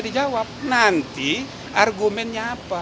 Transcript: dijawab nanti argumennya apa